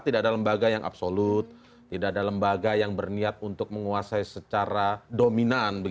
tidak ada lembaga yang absolut tidak ada lembaga yang berniat untuk menguasai secara dominan